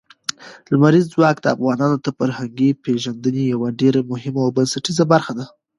لمریز ځواک د افغانانو د فرهنګي پیژندنې یوه ډېره مهمه او بنسټیزه برخه ده.